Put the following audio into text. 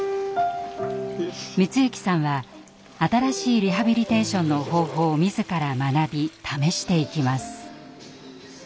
光行さんは新しいリハビリテーションの方法を自ら学び試していきます。